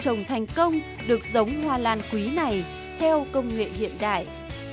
trồng thành công được giống hoa lan quý này theo công nghệ hiện đại